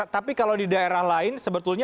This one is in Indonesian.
tapi kalau di daerah lain sebetulnya